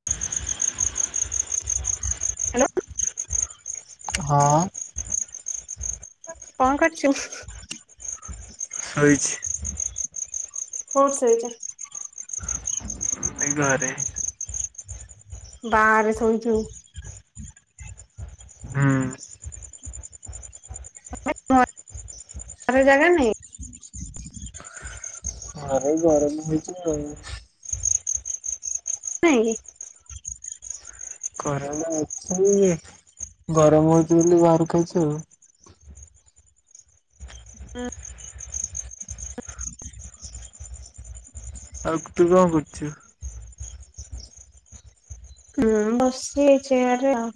[inaudible] Hello. ହଁ। କଣ କରୁଚୁ? ଶୋଇଚି। କୋଉଠି ଶୋଇଚ? ଏଇ ଘରେ। ବାହାରେ ଶୋଇଚୁ। ହୁଁ। ଘରେ ଜାଗା ନାହିଁ? ଘରେ ଗରମ ହୋଉଚି ଆଉ। ନାଇଁଁ କି? ଘରେ ମୁଁ ଅଛି ଗରମ ହଉଚି ବୋଲି ବାହାରକୁ ଆଇଚି ଆଉ। ହୁଁ। ଆଉ ତୁ କଣ କରୁଚୁ? ମୁଁ ବସିଚି ଏଇ ଚିୟାର ରେ ଆଉ।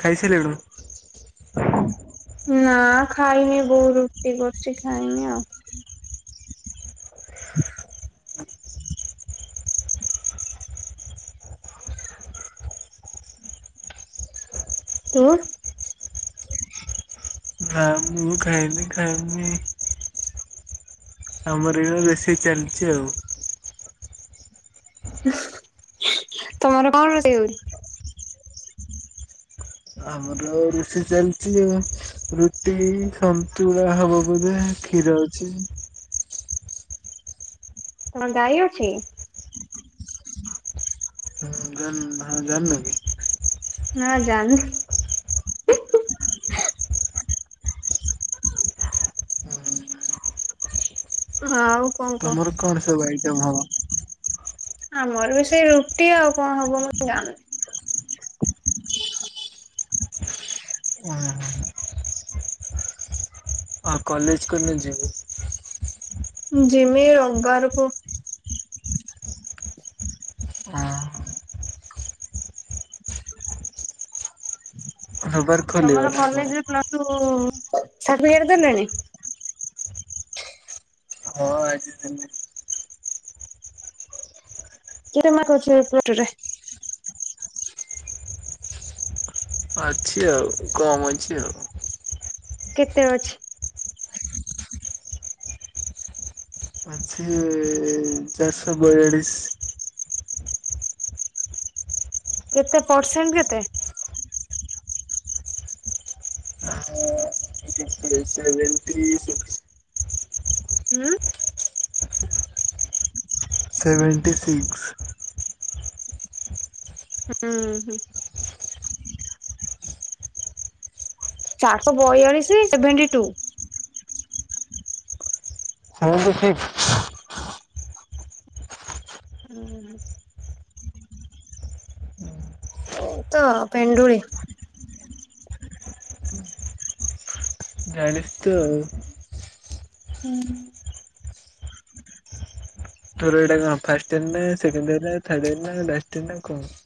ହୁଁ ଖାଇସାଇଲୁଣୁ? ନା ଖାଇନି ବୋଉ ରୁଟି କରୁଚି ଖାଇମି ଆଉ। ତୁ? ନା ମୁଁ ମୁଁ ଖାଇନି ଖାଇମି। ଆମର ଏଇରା ବେଶୀ ଚାଲିଚି ଆଉ। ତମର କଣ ରୋଷେଇ ହଉଚି? ଆମର ରୋଷେଇ ଚାଲଚି ଆଉ। ରୁଟି ସନ୍ତୁଳା ହବ ବୋଧେ କ୍ଷୀର ଅଛି। କଣ ଗାଈ ଅଛି? ଜାନ୍ ହଁ ଜାନୁକି। ନା ଜାନି। ହଁ ଆଉ କଣ କହ ତମର କଣ ସବୁ ଆଇଟମ୍ ହବ? ଆମର ବି ସେଇ ରୁଟି ଆଉ କଣ ହବ ମୁଁ ଜାଣିନି। ଓହୋ। ଆଉ କଲେଜ କଉଦିନ ଯିବୁ? ଜିମି ରବିବାର କୁ। ଯିବୁ? ରବବାର ତମର କଲେଜରେ ପ୍ଲସ୍ ଟୁ ସାଠିପିକେଟ୍ ଦେଲେଣି? [unintelligible] କେତେ ମାର୍କ ଅଛି ପ୍ଲସ୍ ଟୁ ରେ? ଅଛି ଆଉ କମ୍ ଅଛି ଆଉ। କେତେ ଅଛି? ଆଛି ଚାରିଶହ ବୟାଳିଶ। କେତେ ପରସେଣ୍ଟ କେତେ? [unintelligible] Seventy six. ହୁଁ? Seventy six. ହୁଁ ହୁଁ। ଚାରିଶ ବୟାଳିଶ ସେଭେଣ୍ଟି ଟୁ। Seventy six. ହୁଁ। ତୋ ପେଣ୍ଡୁଳି। ଜାଣି ତୁ ଆଉ। ହୁଁ। ତୋର ଏଇଟା କଣ ଫାର୍ଷ୍ଟ ଇଅର ନା ସେକେଣ୍ଡ ଇଅର ନା ଥାର୍ଡ ଇଅର ନା ଲାଷ୍ଟ ଇଅର ନା କଣ?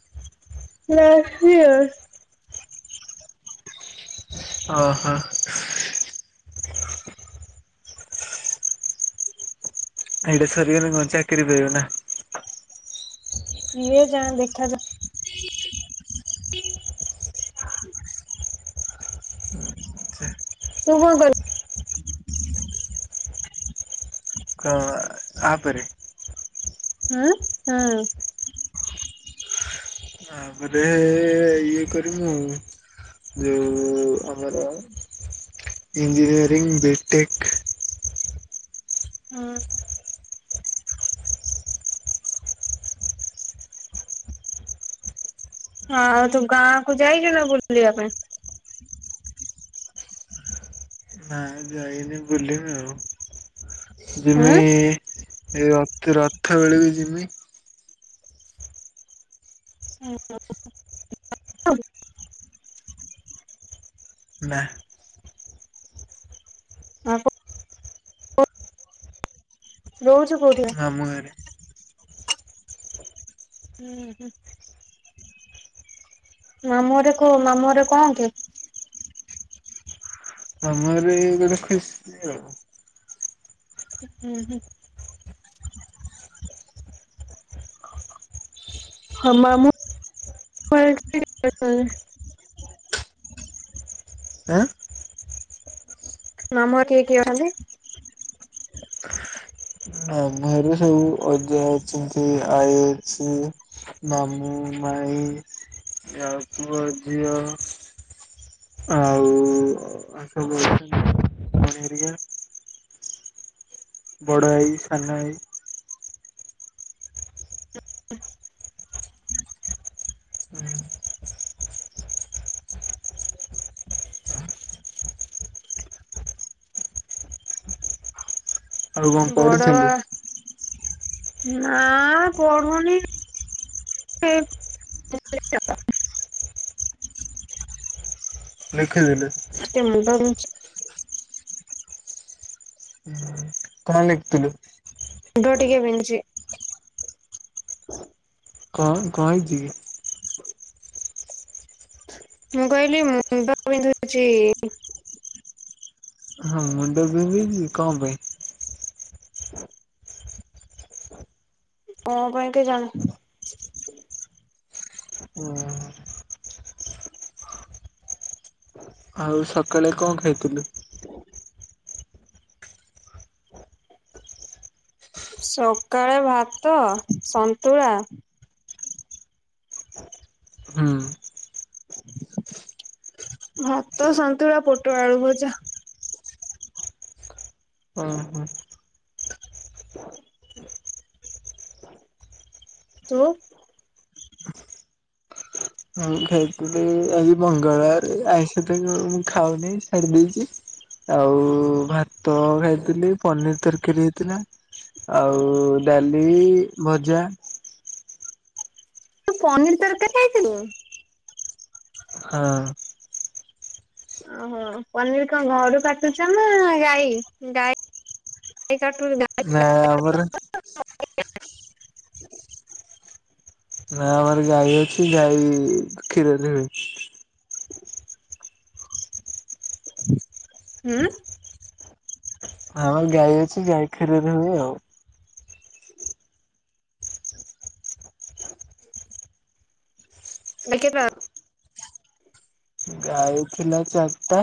Last year. ଅ ହ। ଏଇଟା ସରିଗଲେ କଣ ଚାକିରି ପାଇବ ନା। କିଏ ଜାଣ ଦେଖାଯାଉ। [inaudible] ତୁ ଫୋନ୍ କର। କ ଆ। ଆ ପରେ। ହୁଁ। ହୁଁ। ଆ ପରେ ଇଏ କରିବୁ ମୁଁ ଆଉ। ଯଉ। ଆମର ଇଞ୍ଜିନିୟରିଂ ବିଟେକ୍। ହୁଁ ଆଉ ତୁ ଗାଁ କୁ ଯାଇଚୁନା ବୁଲି ଯିବା ପାଇଁ। ନା ଯାଇ। ଯାଆ ବୁଲିବା ଆଉ। ଯିମି ହୁଁ ଏ ରଥ ରଥ ବେଳକୁ ଯିମି। ହୁଁ ହୁଁ [inaudible] ନାଁ। ରହୁଚି କୋଉଠି ଭା ମାମୁଁ ଘରେ। ହୁଁ ହୁଁ। ମାମୁଁ ଘରେ କ ମାମୁଁ ଘରେ କଣ କି। ମାମୁଁ ଘରେ ଏ ଗୋଟେ ଖୁସି ଆଉ। ହୁଁ ହୁଁ ହୁଁ। ହଁ ମାମୁଁ। ମାମୁଁ ଘରେ ମାମୁଁ ଘରେ କିଏ କିଏ ରହନ୍ତି? ମାମୁଁ ଘରେ ସବୁ ଅଜା। ଅଛନ୍ତି ଆଈ ଅଛି ମାମୁଁ ମାଇଁ। ଆଉ ତୁ ଅ ଅ ଝିଅ। ଆଉ। ଆଉ ସବୁ [unintelligible] ଭଉଣି ହେରିକା। ବଡ଼ ଆଈ ସାନ ଆଈ। ଆଉ କଣ ବଡ ପଢୁଥିଲୁ ବା ନା ପଢୁନି ଏମ ଲେଖିଦେଲେ। ଟିକେ ମୁଣ୍ଡ ବିନ୍ଧୁଛି। [unintelligible] କଣ ଲେଖିଥିଲୁ? ମୁଣ୍ଡ ଟିକେ ବିନ୍ଧୁଛି। କଣ କଇଁଚି? ମୁଁ କହିଲି ମୁଣ୍ଡ ବିନ୍ଧୁଛି। ହଁ ମୁଣ୍ଡ ବିନ୍ଧୁଛି କଣ ପାଇଁ? କଣ ପାଇଁ କେଜାଣି। [unintelligible] ଆଉ ସକାଳେ କଣ ଖାଇଥିଲୁ? ସକାଳେ ଭାତ ସନ୍ତୁଳା ହୁଁ ଭାତ, ସନ୍ତୁଳା, ପୋଟଳ ଆଳୁ ଭଜା। ହଁ ହଁ ତୁ? ମୁଁ ଖାଇଥିଲି ଆଜି ମଙ୍ଗଳବାର ଆଇଁଷ କୁ ମୁ ଖାଉନି ଛାଡି ଦେଇଛି। ଆଉ ଭାତ ଖାଇଥିଲି ପନିର ତରକାରୀ ହେଇଥିଲା। ଆଉ ଡାଲି ଭଜା। ତୁ ପନିର ତରକାରୀ ଖାଇଥିଲୁ। ହଁ। ଓହୋ ପନିର କଣ ଘଡୁ କାଟୁଛ ନା ଗାଈ ଗାଈ [unintelligible] ନା ଆମର ନା ଆମର ଗାଈ ଅଛି ଗାଈ କ୍ଷୀର ଦଉଛି। ହୁଁ। ଆମ ଗାଈ ଅଛି ଗାଈ କ୍ଷୀର ଦଉନି ଆଉ। ମିଲ୍କ ଅପା। ଗାଈ ଥିଲା ଚାରିଟା।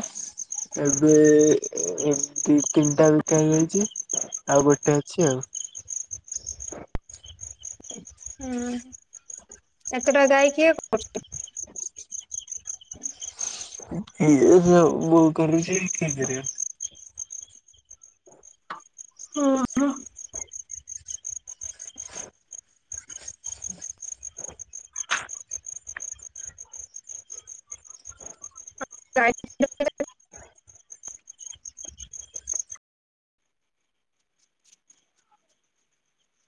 ଏବେ ଏ ଦି ତିନିଟା ବିକା ହେଇଯାଇଛି ଆଉ ଗୋଟେ ଅଛି ଆଉ। ହୁଁ ଏତେଟା ଗାଈ କିଏ କରୁଛି। ଇଏ ସବୁ ବୋଉ କରୁଛି କିଏ କରିବ। ଓହୋ। [unintelligible]